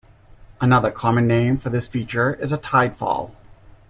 Another common name for this feature is a tidefall.